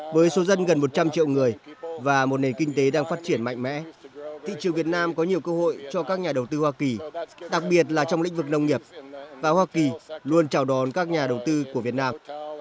với số dân gần một trăm linh triệu người và một nền kinh tế đang phát triển mạnh mẽ thị trường việt nam có nhiều cơ hội cho các nhà đầu tư hoa kỳ đặc biệt là trong lĩnh vực nông nghiệp và hoa kỳ luôn chào đón các nhà đầu tư của việt nam